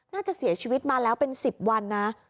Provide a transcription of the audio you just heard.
น่าจะเสียชีวิตมาแล้วเป็น๑๐วันนะ